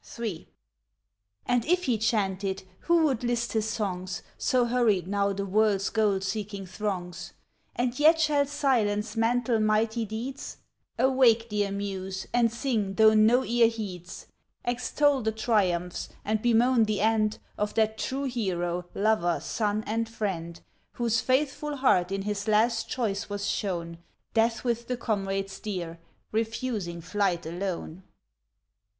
III. And if he chanted, who would list his songs, So hurried now the world's gold seeking throngs? And yet shall silence mantle mighty deeds? Awake, dear Muse, and sing though no ear heeds! Extol the triumphs, and bemoan the end Of that true hero, lover, son and friend Whose faithful heart in his last choice was shown Death with the comrades dear, refusing flight alone.